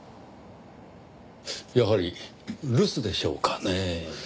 やはり留守でしょうかねぇ。